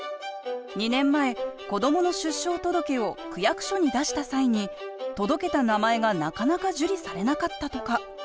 ２年前子どもの出生届を区役所に出した際に届けた名前がなかなか受理されなかったとか。